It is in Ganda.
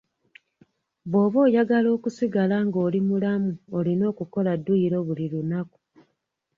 Bw'oba oyagala okusigala nga oli mulamu olina okukola dduyiro buli lunaku.